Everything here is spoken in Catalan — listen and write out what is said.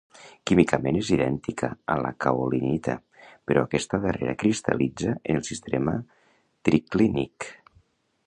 Químicament és idèntica a la caolinita, però aquesta darrera cristal·litza en el sistema triclínic.